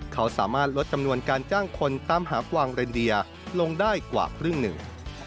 เขาสามารถลดจำนวนการจ้างคนตามหากวางเรนเดียลงได้กว่าครึ่งหนึ่ง